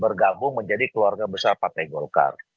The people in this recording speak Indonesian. bergabung menjadi keluarga besar partai golkar